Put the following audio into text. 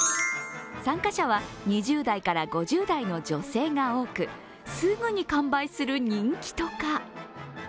参加者は２０代から５０代の女性が多くすぐに完売する人気とか。